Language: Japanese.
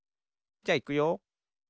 じゃいくよ。